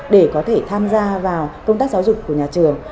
để có thể tham gia vào công tác giáo dục của nhà trường